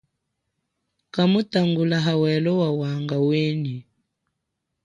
Kamutangula hawelo wawanga wenyi.